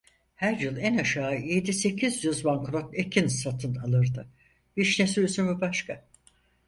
Her yıl en aşağı yedi sekiz yüz bangonot ekin satıp alırdı; vişnesi, üzümü başka.